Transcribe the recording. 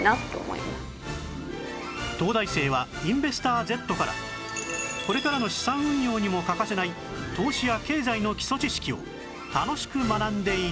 東大生は『インベスター Ｚ』からこれからの資産運用にも欠かせない投資や経済の基礎知識を楽しく学んでいた